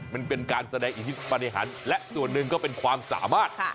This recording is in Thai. มันเป็นการแสดงอิทธิปฏิหารและส่วนหนึ่งก็เป็นความสามารถ